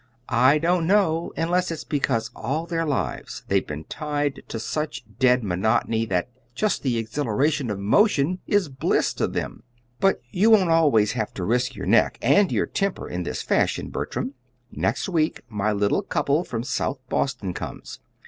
"I don't know unless it's because all their lives they've been tied to such dead monotony that just the exhilaration of motion is bliss to them. But you won't always have to risk your neck and your temper in this fashion, Bertram. Next week my little couple from South Boston comes.